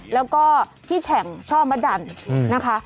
แล้วก็พี่แฉ่งช่อมะดันนะคะ